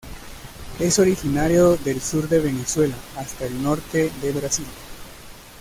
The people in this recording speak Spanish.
Es originario del sur de Venezuela hasta el norte de Brasil.